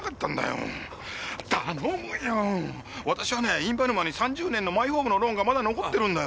印旛沼に３０年のマイホームのローンがまだ残ってるんだよ。